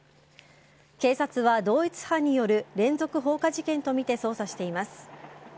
警察は同一犯による連続放火事件とみて捜査しています。